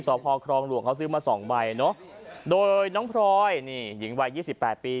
สอบพอครองหลวงเขาซื้อมาสองใบเนอะโดยน้องพลอยนี่หญิงวัยยี่สิบแปดปี